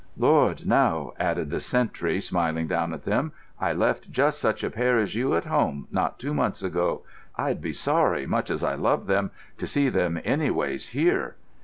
"Lord, now," added the sentry, smiling down at them, "I left just such a pair as you at home, not two months ago. I'd be sorry, much as I love them, to see them anyways here."